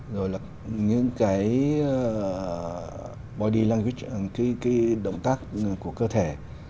rồi là những cái body language cái động tác của cơ thể